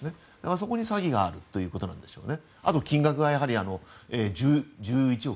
そこに詐欺があるということなんでしょうね。